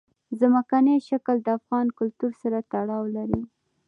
ځمکنی شکل د افغان کلتور سره تړاو لري.